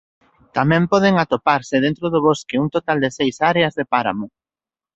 Tamén poden atoparse dentro do bosque un total de seis áreas de páramo.